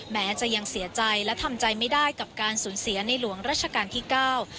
แม้จะยังเสียใจและทำใจไม่ได้กับการสูญเสียในหลวงราชการที่เก้า